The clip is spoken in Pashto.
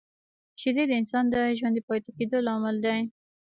شیدې د انسان د ژوندي پاتې کېدو لامل دي